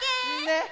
ねっ！